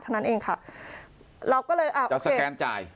เท่านั้นเองค่ะเราก็เลยอาจจะสแกนจ่าย